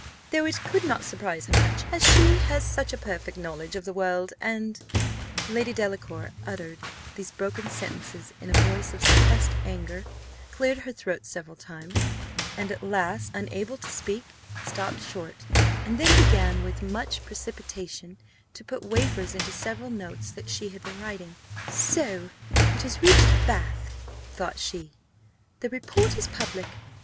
Though it could not surprise her much, she has such a perfect knowledge of the world, and " Lady Delacour uttered these broken sentences in a voice of suppressed anger; cleared her throat several times, and at last, unable to speak, stopped short, and then began with much precipitation to put wafers into several notes that she had been writing. So it has reached Bath, thought she the report is public!